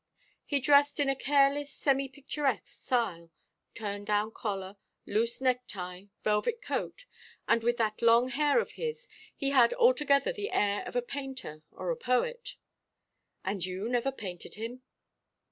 He dressed in a careless semi picturesque style turn down collar, loose necktie, velvet coat and with that long hair of his, he had altogether the air of a painter or a poet." "And you never painted him?"